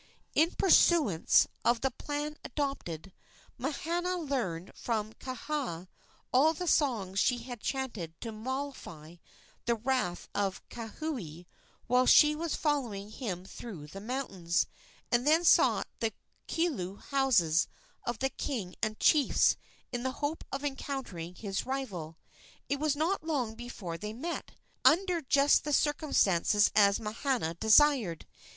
In pursuance of the plan adopted, Mahana learned from Kaha all the songs she had chanted to mollify the wrath of Kauhi while she was following him through the mountains, and then sought the kilu houses of the king and chiefs in the hope of encountering his rival. It was not long before they met, under just such circumstances as Mahana desired.